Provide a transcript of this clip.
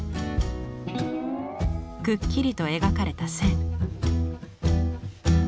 くっきりと描かれた線。